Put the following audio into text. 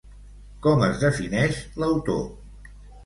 Com es defineix l'autor?